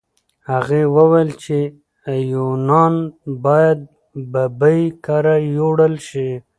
هغه وویل چې ایوانان باید ببۍ کره یوړل شي.